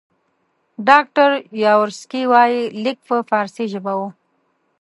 ډاکټر یاورسکي وایي لیک په فارسي ژبه وو.